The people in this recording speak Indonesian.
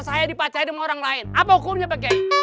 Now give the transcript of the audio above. saya dipacarin sama orang lain apa hukumnya pak kiai